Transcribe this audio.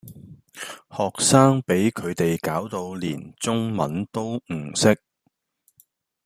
學生比佢地攪到連中文都唔識